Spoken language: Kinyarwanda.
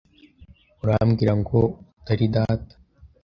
Urambwira ngo utari data?